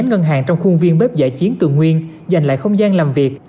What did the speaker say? chín ngân hàng trong khuôn viên bếp giải chiến tường nguyên dành lại không gian làm việc